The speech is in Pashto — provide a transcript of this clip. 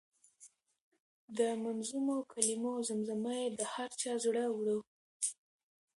د منظومو کلمو زمزمه یې د هر چا زړه وړه.